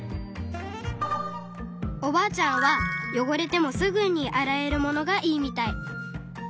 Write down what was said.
おばあちゃんは汚れてもすぐに「洗える」ものがいいみたい。